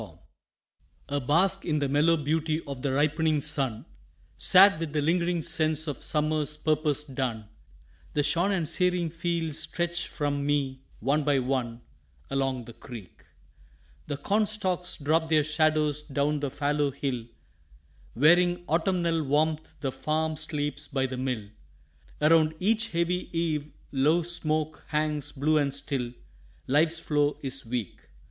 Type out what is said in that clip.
FULFILMENT A bask in the mellow beauty of the ripening sun, Sad with the lingering sense of summer's purpose done, The shorn and searing fields stretch from me one by one Along the creek. The corn stalks drop their shadows down the fallow hill; Wearing autumnal warmth the farm sleeps by the mill, Around each heavy eave low smoke hangs blue and still Life's flow is weak.